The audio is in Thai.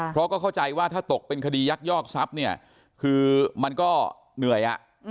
เพราะก็เข้าใจว่าถ้าตกเป็นคดียักยอกทรัพย์เนี่ยคือมันก็เหนื่อย